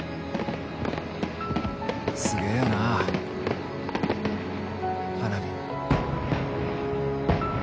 すげえよな花火。